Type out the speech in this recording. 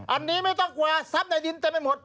อันนี้ไม่ต้องกลัวซับในดินจะไม่หมด